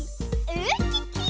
ウッキー！